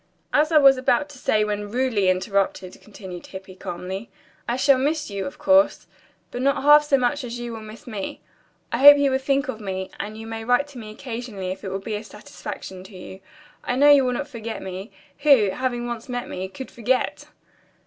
"As I was about to say when rudely interrupted," continued Hippy calmly, "I shall miss you, of course, but not half so much as you will miss me. I hope you will think of me, and you may write to me occasionally if it will be a satisfaction to you. I know you will not forget me. Who, having once met me, could forget?"